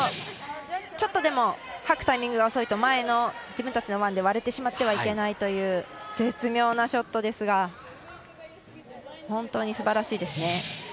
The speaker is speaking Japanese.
ちょっとでも掃くタイミングが遅いと前の、自分たちのワンで割れてしまってはいけないという絶妙なショットですが本当にすばらしいですね。